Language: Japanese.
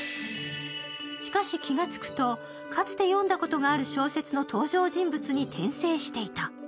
しかし、気がつくとかつて読んだことがある小説の登場人物に転生していた。